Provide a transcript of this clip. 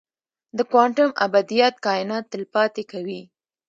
د کوانټم ابدیت کائنات تل پاتې کوي.